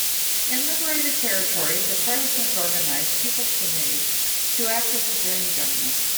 In liberated territories, the Partisans organised People's Committees to act as civilian government.